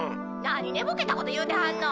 「何寝ぼけたこと言うてはんの！」